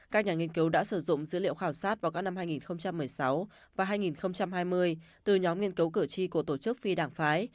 các nhà nghiên cứu đã sử dụng dữ liệu khảo sát vào các năm hai nghìn một mươi sáu và hai nghìn hai mươi từ nhóm nghiên cứu cử tri của tổ chức phi đảng phái